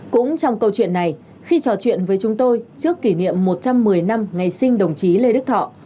cũng trong câu chuyện này khi trò chuyện với chúng tôi trước kỷ niệm một trăm một mươi năm ngày sinh đồng chí lê đức thọ